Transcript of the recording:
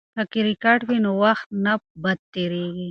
که کرکټ وي نو وخت نه بد تیریږي.